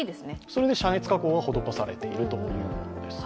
それで遮熱加工が施されているということです。